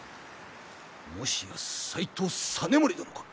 もしや斎藤実盛殿か？